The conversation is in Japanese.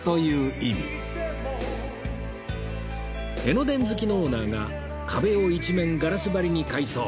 江ノ電好きのオーナーが壁を一面ガラス張りに改装